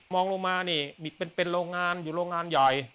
ลงมานี่เป็นโรงงานอยู่โรงงานใหญ่